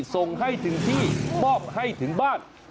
ส่งให้ถึงที่มอบให้ถึงบ้าน